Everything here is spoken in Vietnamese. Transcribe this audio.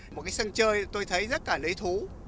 một cái sân chơi tôi thấy rất là lý thú